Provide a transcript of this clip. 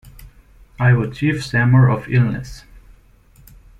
I was chief shammer of illness.